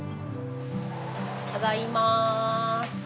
ただいま。